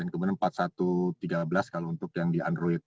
kemudian empat puluh satu tiga belas kalau untuk yang di android